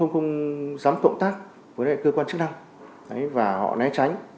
họ không dám cộng tác với các cơ quan chức năng và họ né tránh